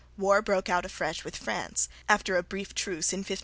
War broke out afresh with France, after a brief truce, in 1557.